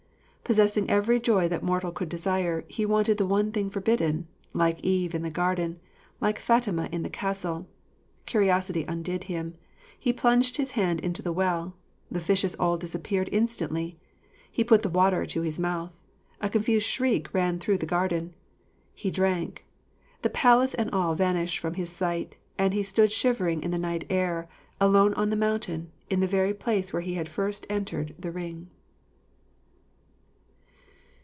Possessing every joy that mortal could desire, he wanted the one thing forbidden like Eve in the garden, like Fatima in the castle; curiosity undid him. He plunged his hand into the well: the fishes all disappeared instantly. He put the water to his mouth: a confused shriek ran through the garden. He drank: the palace and all vanished from his sight, and he stood shivering in the night air, alone on the mountain, in the very place where he had first entered the ring.